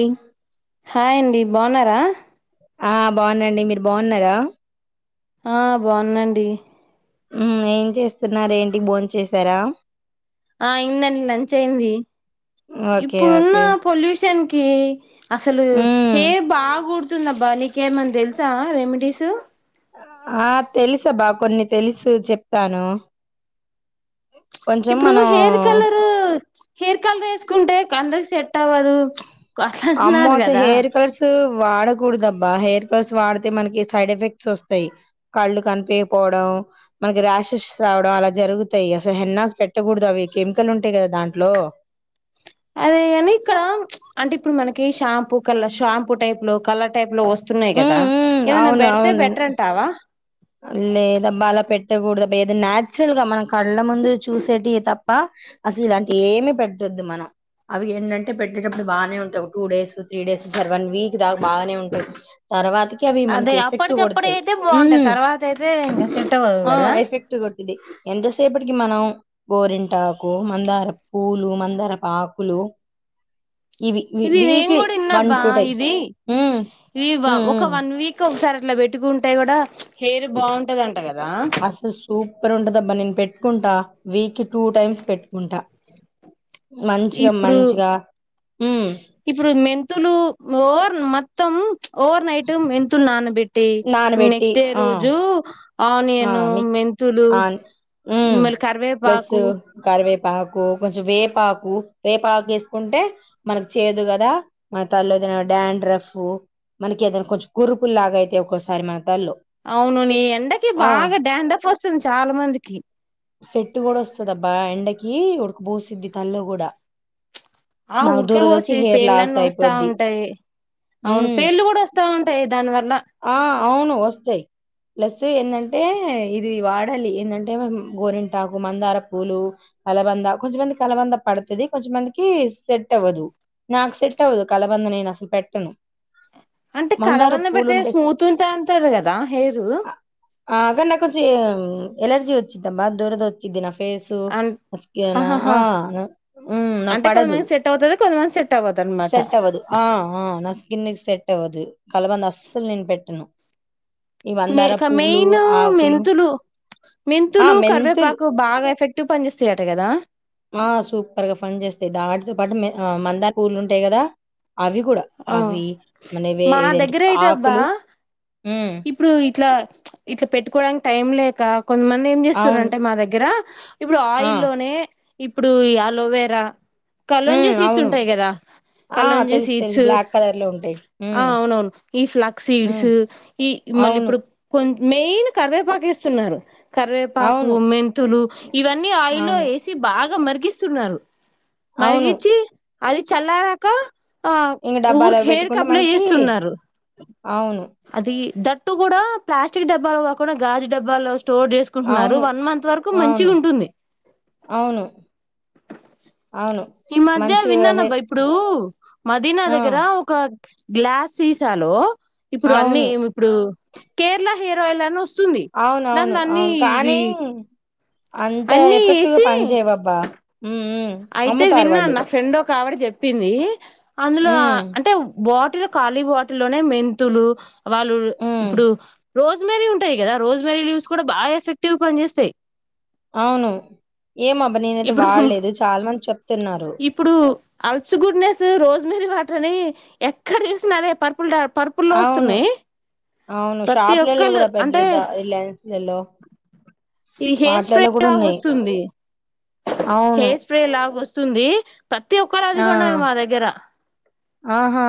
ఏ hi అండి బాగున్నారా ఆ బాగున్నా అండి మీరు బాగున్నారా ఆ బాగున్నాండి ఉమ్ ఏం చేస్ తున్నారు ఏంటి భోన్ చేసారా ఆ ఇందండి లంచ్ అయింది ఓకే ఇప్పుడున్న ఓకే పొల్యూషన్ కి అసలు ఉమ్ హే బాగున్ నోతుంది అబ్బా నీకు నీకు ఏమన్నా తెలుసా రెమెడీస్ తో ఆ తెలుసు అబ్బా కొన్ని తెలుసు చెప్తాను కొంచెం ఇప్పుడు మనం హెయిర్ కలరు హెయిర్ కలర్ వేసుకుంటే క అందర్ సెట్ అవ్వదు అట్లా ఆమ్మో అంటున్నారు అస్ కదా హెయిర్ కలర్స్ వాడద్ కూడదు అబ్బా హెయిర్ కర్స్ వాడితే మనకి సైడ్ ఎఫెక్ట్స్ వస్తాయి కళ్ళు కనిపియపోవడం మనకి ర్యాషెస్ రావడం అలా జరుగుతాయి అసలు హెన్నాస్ పెట్టగూడదు అవి కెమికల్ ఉంటాయి గదా దాంట్లో అదే గానీ ఇక్కడ అంటే ఇప్పుడు మనకి షాంపూ కలర్ షాంపూ టైప్ లో కలర్ టైప్ లో వస్ ఉమ్ గదా ఉమ్ ఇవన్ అవును బెడతే అవును బెట్రంటావా లేదబ్బా అలా పెట్టకూడదు ఏదో చురల్ గా మనం కళ్ళ ముందు చూసేటివి తప్ప అసలు ఇలాంటి ఏమి పెట్టొద్దు మనం అవి ఏంటంటే పెట్టేటప్పుడు బాగానే ఉంటాయి టూ డేస్ త్రీ డేస్ సరే వన్ వీక్ దాకా బాగానే ఉంటాంది తర్వాత అవి మనకి ఎఫెక్ట్ కొడతాయి సరే అండి సెట్ అవ్వదు కదా ఇది ఎంతసేపటికి మనం గోరింటాకు మందారపు పూలు మందారపు ఆకులు ఇవి వి ఇది నేను వీక్లీ కూడా ఇన్నా బా టైమ్స్. ఇది హ్మ్. ఇది బా హ్మ్. ఒక హ్మ్. వన్ వీక్ ఒకసారి అట్లా పెట్టుకుంటే కూడా హెయిర్ బావుంటదంట గా మస్త్ సూపర్ ఉంటాది అబ్బా నేను పెట్ పెట్టుకుంటా వీక్ టూ టైమ్స్ పెట్టుకుంటా మంచిగా ఇప్పుడు మంచిగా హ్మ్. ఇప్పుడు మెంతులు ఓ హ్మ్మ్ మొత్తం ఓవర్ నైట్ మెంతులు నానబెట్టు నానబెట్టి నెక్స్ట్ డే ఆ! రోజు ఆ! ఆనియన్ మిక్ మెంతులు ఆన్ మళ కరివేపాకు ఆకు కొంచెం వేపాకు వేపాకు వేసుకుంటే మనకి చేదు కదా మన తల్లో ఏదైనా డాండ్రఫ్ మనకి ఏదైనా కొంచెం కురుపులులాగా అయితే ఒక్కోసారి మన తలలో. అవును నీ ఎండకి ఆ! బాగా డ్యాండ్రఫ్ వస్తుంది చాలా మందికి సెట్టు కూడా వస్తద అబ్బా ఎండకి ఉడకపోసిద్ది తలలో కూడా ఆ ఉడక పోసి లాస్ పేర్లన్నీ వస్తా అయిపోద్ది. ఉంటాయి అవును హ్మ్. పేర్లు కూడా వస్తా ఉంటాయి దాని వల్ల ఆ అవును వస్తాయి ప్లస్ ఎందంటే అంటే ఇది వాడాలి ఏంటంటే గోరింటాకు మందార పూలు కలబంద కొంచెమంది కలబంద పడుతుంది కొంచెమందికి సెట్ అవ్వదు నాకు సెట్ అవ్వదు కలబంద నేను అసలు పెట్టను అంటే మందార కలబంద పెడి అయితే పూలుంటే స్మూత్ ఉంటే అంటారు కదా హెయిరు అ ఆ అగా నాకు కొంచెం ఎలర్జీ వచ్చిందబ్బ దురద వచ్చింది అం నా [unintelligible] ఆహాహా ఆ నాకు పడదు కొంత మందికి సెట్ అవ్వదు అనమాట సెట్ అవదు ఆ న స్కిన్ కి సెట్ అవుదు కలబంద అస్సలు నేను పెట్టను ఈ మ మందార పువ్వులు, మెయిన్ ఆకులు మెంతులు ఆ! మెంతులు మెంతుల్ కరివేపాకు బాగా ఎఫెక్టివ్ పనిచేస్తాయట కదా ఆ సూపర్ గా ఫని చేస్తాయి దాటితో పాటు మీ మందార పూలు ఉంటాయి కదా అవి కూడా ఆ అవి మనవి మా ఏదేంటి దగ్గర అయితే అబ్బా ఆకులు హ్మ్. ఇప్పుడు ఇట్లా ఇట్లా పెట్టుకోవడానికి టైం లేక కొంతమంది ఏం అవును. చేస్తురంటే మా దగ్గర ఇప్పుడు ఆ! ఆయిల్ల్లోనే ఇప్పుడు అలోవేరా కలోంజీ హ్మ్. సీడ్స్ అవును. ఉంటాయి కదా ఆ! కలోంజీ తెలుసు. తెలుసు. సీడ్స్ బ్లాక్ కలర్‌లో ఉంటాయి. ఆ హ్మ్. అవునవును ఈ ఫ్లక్స్ సీడ్స్ హ్మ్. మళ్ళీ అవును. ఇప్పుడు కొ మెయిన్ కరివేపాకేస్తున్నారు కరివేపాకు అవును. మెంతులు ఇవన్నీ ఆయిల్లో అవును. వేసి బాగా మరి తగ్గిస్తున్నారు అవును. మరిగిచ్చి అది చల్లారాక ఆ ఇంక డబ్బాలో ఊరకి హెయిర్ బెట్టుకుంటే కప్లే మనకి చేస్తున్నారు అవును దట్టు కూడా ప్లాస్టిక్ డబ్బాలు కాకుండా గాజు డబ్బాలు స్టోర్ చేసుకుంటున్నారు అవును. వన్ మంత్ వరకు మంచి అవును. ఉంటుంది అవును. అవును. ఈ మధ్య మంచిగా హె విన్నానబ్బా ఇప్పుడు మదీనా ఆ! దగ్గర ఒక గ్లాస్ తీసాలో ఇప్పుడు అన్నీ అవును. మీ ఇప్పుడు కేరళ హెయిర్ ఆయిల్ వస్తు అవునవును అవును కానీ అంత అన్ని ఎఫెక్ట్గా వేసి పని చేయవబ్బా హ్మ్. హ్మ్. అయితే అమ్ముతారు విన్నా వాళ్ళు. నా ఫ్రెండ్ ఒక కాబట్ చెప్పింది అందులో హ్మ్. అంటే వా వాటిలో ఖాళీ వాటిలోనే మెంతులు వాళ్ళు హ్మ్. ఇప్పుడు రోజ్మెరీ ఉంటాయి కదా రోజ్మెరీ లయూస్ కూడా బాగా ఎఫెక్టివ్గా పనిచేస్తాయి అవును ఏమ అబ్బ నేన అయిది ఇప్పుడు వాడలేదు చాలా మంది చెప్తున్నారు అల్స్ గుడ్నెస్ రోజ్ మరీ వాటర్ అని ఎక్కడ చూసిన అదే పర్ పుల్డా పరుపుల్లో అవును. వస్తున్నాయి అవును. ప్రతి షాపులలో ఒక్కలు గూడా పెద్ద అంటే పెద్ద రిలయన్స్‌లలో ఈ హెయిర్ స్ప్రే వాటిలలో గూడా లాగ ఉన్నాయి. వస్తుంది అవును. హెయిర్ స్ప్రే లాగ వస్తుంది ప్రతి ఒక్క రా అది ఆ! కూడా ఉండే మా దగ్గర ఆహా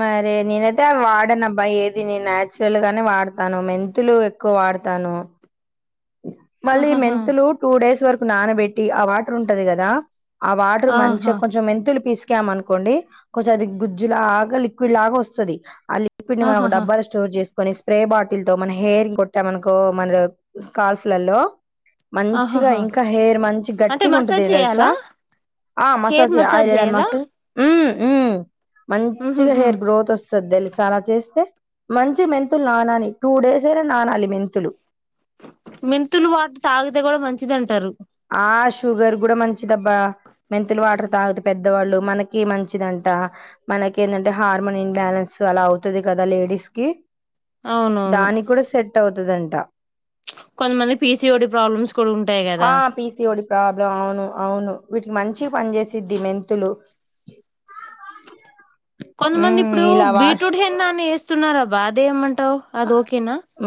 మరి నేనయితే అ వాడను అబ్బాయి ఏది నేను నాచురల్ గానే వాడతాను మెంతులు ఎక్కువ వాడతాను మళ్ళీ ఆహాహా మెంతులు టూ డేస్ వరకు నానబెట్టి ఆ వాటర్ ఉంటది కదా ఆ వాటర్ ఆహా మంచిగా కొంచెం మంతులు పసు కాయం అనుకోండి కొంచెం అది గుజ్జు లాగా లిక్విడ్ లాగా వస్తుంది అ ఇప్పుటి మన ఒక ఆహాహా డబ్బాలు స్టోర్ చేస్తే కొన్ని స్ప్రే బాటిల్ తో మన హెయిర్ కొట్టామనకో మన స్కార్ల్ఫ్లల్లో మంచిగా ఆహాహా ఇంకా హెయిర్ మంచి అంటే గట్టిగా ఉంటది మసాజ్ చేయాలా తెలుసా ఆ హెయిర్ మసాజ్ ఆ చేయాలా మసాజ్ ఉమ్ ఉమ్ మంచిగా ఉహుహు హెయిర్ గ్రోత్ వస్తు సేధ్ తెలుస అలా చేస్తే మంచి మెంతులు నానాలని టూ డేస్ అయినా నానాలి మెంతులు మెంతులు వాట తాగితే కూడా మంచిది అంటారు ఆ షుగర్ కూడా మంచిదబ్బా మెంతులు వాటర్ తాగుతు పెద్దవాళ్ళు మనకి మంచిదంట మనకి ఏంటంటే హార్మోన్ ఇన్ బ్యాలెన్స్ అలా అవుతుది కదా లేడీస్ కి అవునవును దాని కూడా సెట్ అవుతుదంట కొంతమంది పీసీ ఓడి ప్రాబ్లమ్స్ కూడా ఉం ఆ పీసిఓడి ప్రాబ్లం అవును అవును వీటికి మంచి పని చేసిద్ మెంత తెలు కొంతమంది ఇప్పుడు బీట్రూట్ హెన్నా అని వ థున్నారా బాధే ఏమం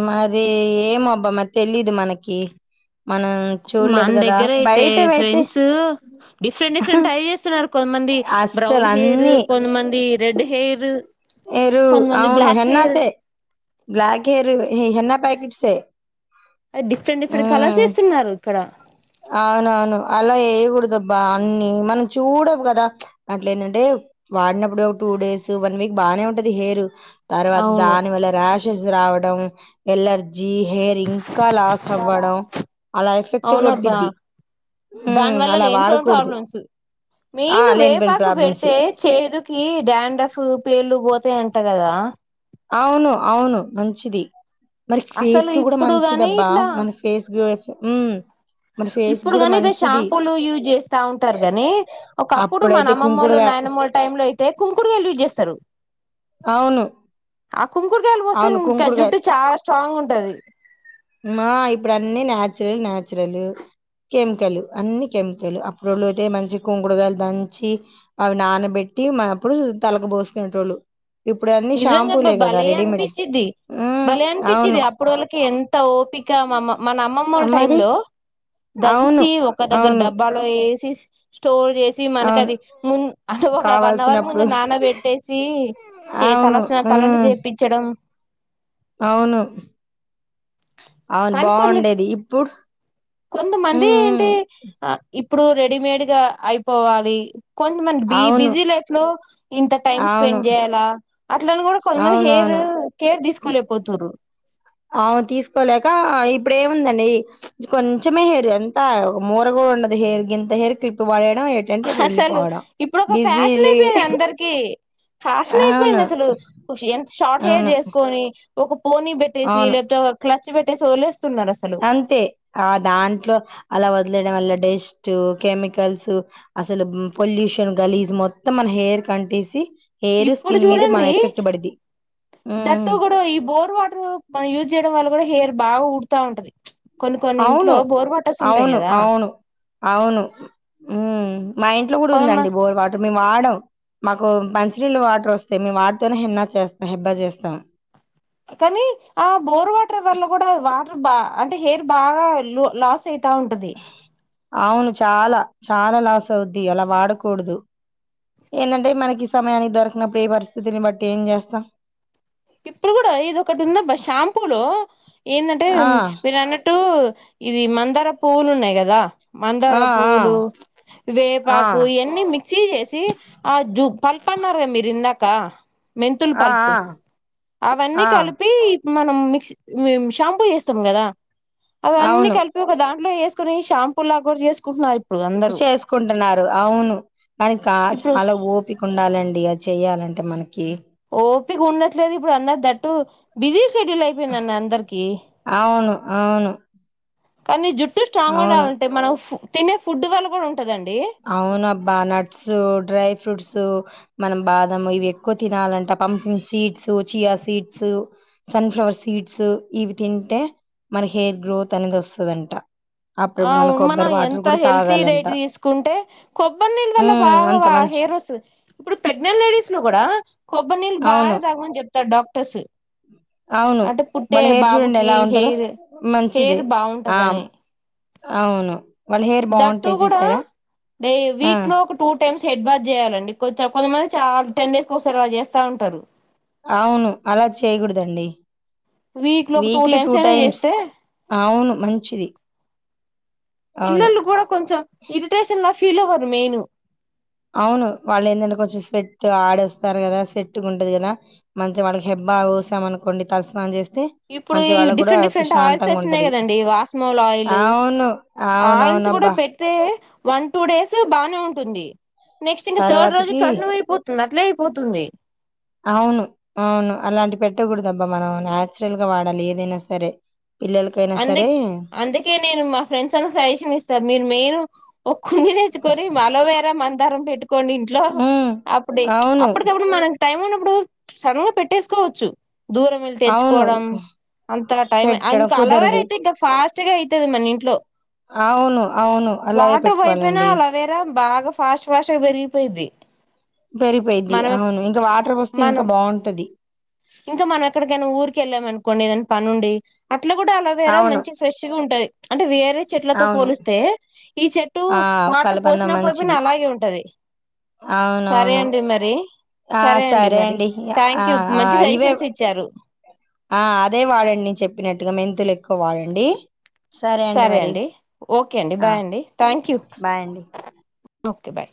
మది ఏమ బ బ మ తెలిదు మనకి మనం మన చూడలేదు కదా దగ్గర అయితే బయటవైతే ఫ్రెండ్స్ డిఫరెంట్ డిఫరెంట్ ట్రై చేస్తున్నారు కొంతమంది అస్సలు బ్రౌన్ హెయిర్ అన్ని కొంతమంది రెడ్ హెయిర్ ఏరు కొంతమంది అవును బ్లాక్ హెయిర్ హెన్నాస బ్లాక్ హేర్ ఎన్న ప్యాకెట్సే అది డిఫరెంట్ డిఫరెంట్ కలర్స్ ఉమ్ ఇస్తున్నారు ఇక్కడ అవునవును అలా వేయకూడదుబ్బా అన్ని మనం చూడవు కదా అట్ల ఏంటంటే వాడినప్పుడు ఒక టూ డేస్ వన్ వీక్ బానే ఉంటది హెయిరు తరవాతా అవును దాని వేల రా షాస్ రావడం ఎల్లర్ జీ హెయిర్ ఇంకా లాస్ అవ్వడం అలా ఎఫెక్ట్ కొ అబా దాని వల్లంట్లో వాడకూడదు. ప్రాబ్లమ్స్ ఆ! మెయిన్ లేనిపోని వేపాకు ప్రాబ్లమ్స్. పెడితే చేదుకి డాండఫ్ పేలు పోతాయి అంటా కదా అవును అవును మంచిది మరి ఫేస్ అసలు కి కూడ ఇప్పుడు గాని మంచిదబ్బా ఇట్లా మన ఫేస్ క ఉమ్ ఇప్పుడు కాని ఇ షాంపూలు యూజ్ చేస్తా ఉంటారు గానీ ఒకప్పుడు మాన అప్పుడైతే అమ్మమ్మలు కుంకుడుగాయ నాయనమ్మలు టైమ్ లో అయితే కుంకుడుగాయలు యూజ్ చేస్తరు అవును. కుంకుడ్కాయలు పోసై అవును. ఇంకా కుంకుడుగాయ జుట్టు చాలా స్ట్రాంగ్ ఉంటుంది ఉంటది మా ఇప్పుడు అన్నిీ నాచురల్ నాచురలు కెమికలు అన్ని కెమికలు అప్పుడోళ్ళు అయితే మంచి కుంకుడుగాయలు దంచి అవి నానబెట్టి మరప్పుడు తలలకు పోోసుకునేటోళ్ళు ఇప్పుడు అన్నిీ నిజంగా షాంపూలే కదా భలే రెడీమేడ్ అనిపించిద్ది ఉ అవును అంత ఓపిక మామ్మ మన అమ్మ ఆ, మోళ్ళ టైమ్ మరి లో అవును దంచి ఒక దగ్గర అవును డబ్బాలో వేసి స్టోర్ చేసి అవును మనకది మున్ హవొక వన్ అవర్ ముందు కావాల్సినప్పుడు నానబెట్టేసి చేతల అవును స్ తలంటు ఉమ్ చేపిచ్చడం అహ్ అవును అవును కానీ కొన్ని బావుండేది ఇప్పు కొంతమంది ఏంటి ఆ ఇప్ ఇప్పుడు రెడీమేడ్ గా అయిపోవాలి కొంతమంద్ బి అవును బిజీ లైఫ్ లో ఇంత టైం అవును స్పెండ్ జేయల అట్లని కూడా కొంతమంది హెయిర్ అవునవును కేర్ తీసుకోలేకపోతుర్రు అవు తీసుకోలేక ఇప్పుడెముందండి కొంచమే హెయిర్ ఎంత ఒక మూర కూడా ఉండదు హెయిర్ గింత హెయిర్ క్లిప్ పడేత్ అసలు ఇప్పుడు ఒక బిజీలీ ఫ్యాషనైపో యింది అందరికి ఫ్యాషన్ అవును. అయిపోయింది అసలు యెంత్ షార్ట్ హెయిర్ అవును. చేసుకొని ఒకప్ పోనీ బెట్టేసి అవును. లేపొతే ఓ క్లచ్ విడ్చి పెట్టేసి వొదిలెస్ అంతే ఆ దాంట్లో అల వదిలేయడం వల్ల జ్ డెస్ట్ కెమికల్స్ అసలు మ్ పొల్యూషన్ గలీజ్ మొత్తం మన హెయిర్ కంటేసి ఇప్పుడు చూడండి దట్టు హ్మ్. కూడా ఈ బోర్ వాటర్ మనం యూజ్ చేయడం వల్ల కూడా హెయిర్ బా బాగ ఊడతాఉంటది అవును అవును అవును అవును ఉ మా ఇంట్లో కూడా కొంతమ ఉందండి బోర్ వాటర్ మేమ్ వాడం మాకు మంచినీళ్ళు వాటర్ వస్తాయి మేము వాటితోనే హెన్న చేస్తాం హెడ్ బాత్ చేస్తాం కనీ ఆ బోర్ వాటర్ వల్ల కూడా వాటర్ బా అంటే హెయిర్ బాగా లాస్ అయితా ఉంటది అవును చాలా చాలా లాస్ అవుద్ది అలా వాడకూడదు ఏంటంటే మనకి సమయానికి దొరకనప్పుడు ఈ పరిస్థితిని బట్టి ఏం చేస్తాం ఇప్పుడు కూడా ఇదొక్కటి ఉందబ్బ షాంపూ లో ఏందంటే ఆ! మీరు అన్నట్టు ఇది మందార పువ్వులున్నాయి కదా మందార ఆ! ఆ! పూలు ఆ! వేపాకు ఇయన్నీ మిక్సీ చేసి ఆ జూ పల్పన్నారుగా మీరు ఇందాక్ క్క మెంతుల్ ఆ! ఆ! పల్ప్ అవన్నీ ఆ! కలిపి మనం మిక్సి షాంపూ చేస్తాం కదా అవన్నీ అవును. కలిపి ఓక దాంట్ ఇంట్లో చఏసుకొని శాంపులాగా కూడా చేస్ కృషి చేసుకుంటున్నారు అవును ఇప్పుడు కానికచాలా ఓపిక ఉండాలండి అది చెయాలంటే మనకి ఓపిగా ఉండట్లేదు ఇప్పుడు అందరు దట్టు బిజీ షెడ్యూల్ అయిపోయిందిన్న అందరికి అవును. అవును. కానీ జుట్ ట్రూస్ట్రాంగ్ అవును. ఉండాలంటే మనం తినే ఫుట్బల్ కూడా ఉంటదండి అవునబ్బా నట్స్ డ్రై ఫ్రూట్స్ మనం బాదం ఇవి ఎక్కువ తినాలంట pumpkin seeds chia seeds sunflower seeds ఇవి తింటే మన హెయిర్ గ్రోత్ అనేది వస్తుదంట ఆ మనం ఎంత హెల్తీ డైట్ తీసుకు కుంటే కొబ్బరి నీళ్ళ వల్ల హ్మ్. అంత బాగా హెయిర్ మంచిది. వస్తుంది ఇప్పుడు ప్రెగ్నెంట్ లేడీస్ లో కూడా కొబ్బరి నీళ్ళు అవును. బాగా తాగమని చెప్తారు డాక్టర్లలు సి అవును వాళ్ళ హెయిర్ చూడండి బాబుకి ఎలా ఉంటందో హెయిర్ మంచిది హెయిర్ ఆ బాగుంటదని అవును వాళ్ళ హెయిర్ దట్టు బాగుంటాయి కూడా చూసారా డే ఆ వీక్ లో ఒక టూ టైమ్స్ హెడ్ బాత్ చేయాలండి కొంతమంది చాలా టెన్ డేస్కి ఒకసారి అలా చేస్తా ఉంటారు అవును. అలా చేయగూడదండి. వీక్ లో ఒక టూ టైమ్స్ అయినా చేస్తే అవును. మంచిది. అవును. పిల్లలు కూడా కొంచెం ఇరిటేషన్ లా ఫీల్వరు మెయిను అవును వాళ్ళు ఏంటంటే కొంచెం స్వెట్ ఆడేస్తారు కదా స్వెట్గా ఉంటుది కదా మంచిగా వాళ్ళకి హెబ్బా పోసాం అనుకోండి తలస్నానం చేస్త ఇప్పుడు డిఫరెంట్ డిఫరెంట్ ఆయిల్స్ వచ్చినాయి కదండి వాస్మోల్ ఆయిల్ అవును. ఆయిల్స్ కూడా అవునవునబ్బా! పెడితే వన్ టూ డేస్ బానే ఉంటుంది నెక్స్ట్ ఇంకా థర్డ్ రోజు తర్వాతకి కర్ణం అయిపోతుందా అట్లే అయిపోతుంది అవును అవును అలాంటి పెట్టకూడదు అబ్బా మనం న్యాచురల్ గా వాడాలి ఏదైనా సరే పిల్లలకైనా అందు సరే అందుకే నేను మా ఫ్రెండ్స్ అంత సజెషన్ ఇస్తా మీరు మెయిను ఒక కుండి నేచ్చుకొని అలోవెరా మంత దరం పెట్ కోనీ ఇంట్లో హ్మ్. అప్పుడే అవును. అప్పటికప్పుడు మనం టైం ఉన్నప్పుడు సడన్ గా పెట్టేసుకోవచ్చు దూరం వెళ్ళి అవును. తెచ్చుకోవడం అంత టైం అన్ పెట్టడం కుదరదు. అలోవెరాఅయితే ఇంకా ఫాస్ట్ గా అవుతుది మన ఇంట్లో అవును అవును అలాగే వాటర్ పోయిపోయినా పెట్టుకోవాలండి అలోవేరా బాగా ఫాస్ట్ ఫాస్ట్గా పెరిగిపోయిద్ది పెరిగిపోయిద్ది మనం అవును ఇంకా వాటర్ వస్తే ఇంకా మనం బాగుంటది ఇంకా మనం ఎక్కడికైనా ఊరిక వెళ్ళామ అనుకోండి ఏదైనా పనిండి అ ఇట్ల కూడా అలోవేరా అవును. మంచి ఫ్రెష్ గా ఉంటుది అంటే వేరే చెట్లతో అవును. పోలిస్తే ఈ చెట్టు ఆ! మాటర్ కలబంద పోసినా పోయిపోయినా మంచిది. అలాగే ఉంటది సరే అవునవును. అండి మరి సరే అండి మరి థ్యాంక్ ఆ! యూ ఆ! మంచి ఇవే సజెషన్స్ ఇచ్చారు ఆ అదే వాడండి నేను చెప్పినట్టుగా మెంతులు ఎక్కువ వాడండి సరే అండి ఓకే అండి ఆ! బాయ్ అండి థ్యాంక్ యూ బాయ్ అండి. Okay bye